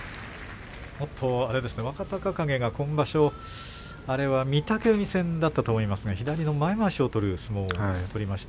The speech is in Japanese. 若隆景は今場所あれは御嶽海戦だったと思いますが左の前まわしを取る相撲を取りました。